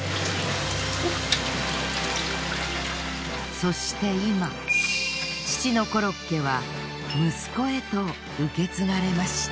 そして今父のコロッケは息子へと受け継がれました。